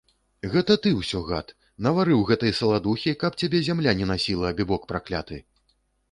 Гэта ты ўсё, гад, наварыў гэтай саладухі, каб цябе зямля не насіла, абібок пракляты!